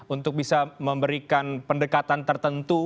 untuk bisa memberikan pendekatan tertentu